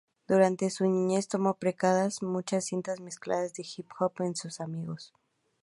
Durante su niñez, tomó prestadas muchas cintas mezcladas de hip hop e sus amigos.